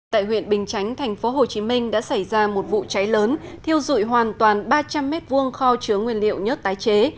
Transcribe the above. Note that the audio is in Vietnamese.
tại huyện bình chánh thành phố hồ chí minh đã xảy ra một vụ cháy lớn thiêu dụi hoàn toàn ba trăm linh m hai kho chứa nguyên liệu nhất tái chế